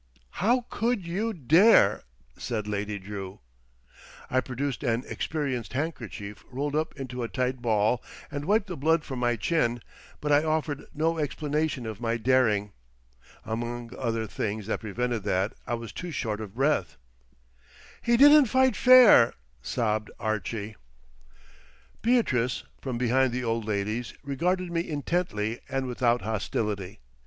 "How could you dare?" said Lady Drew. I produced an experienced handkerchief rolled up into a tight ball, and wiped the blood from my chin, but I offered no explanation of my daring. Among other things that prevented that, I was too short of breath. "He didn't fight fair," sobbed Archie. Beatrice, from behind the old ladies, regarded me intently and without hostility.